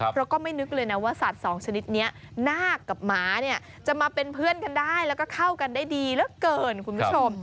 เพราะก็ไม่นึกเลยนะว่าสัตว์สองชนิดนี้นาคกับหมาเนี่ยจะมาเป็นเพื่อนกันได้แล้วก็เข้ากันได้ดีเหลือเกินคุณผู้ชม